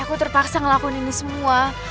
aku terpaksa ngelakuin ini semua